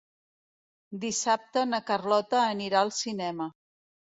Dissabte na Carlota anirà al cinema.